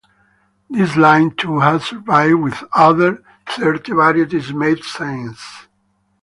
This line too has survived, with over thirty varieties made since.